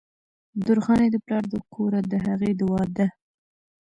درخانۍ د پلار د کوره د هغې د وادۀ